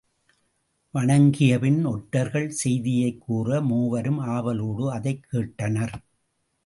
வணங்கியபின் ஒற்றர்கள் செய்தியைக் கூற, மூவரும் ஆவலோடு அதைக் கேட்டனர்.